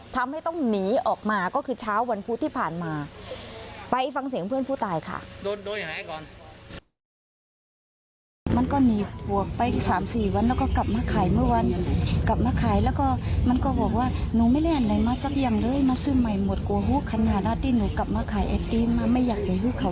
ทำให้ต้องหนีออกมาก็คือเช้าวันพุธที่ผ่านมาไปฟังเสียงเพื่อนผู้ตายค่ะ